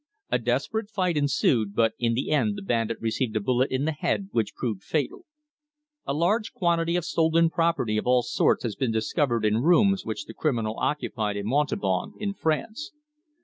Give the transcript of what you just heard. A desperate fight ensued, but in the end the bandit received a bullet in the head which proved fatal. "A large quantity of stolen property of all sorts has been discovered in rooms which the criminal occupied in Montauban, in France.